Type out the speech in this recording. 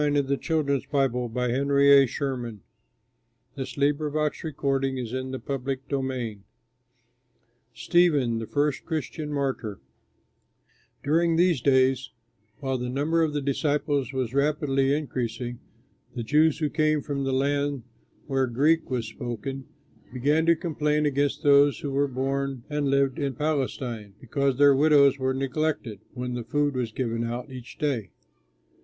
Even from the towns about Jerusalem crowds gathered, bringing sick people, and all were healed. STEPHEN THE FIRST CHRISTIAN MARTYR During these days, while the number of the disciples was rapidly increasing, the Jews who came from lands where Greek was spoken began to complain against those who were born and lived in Palestine, because their widows were neglected when the food was given out each day.